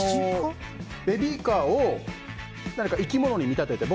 ベビーカーを生き物に見立てて。